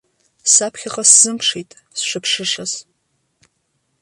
Саԥхьаҟа сзымԥшит сшыԥшышаз.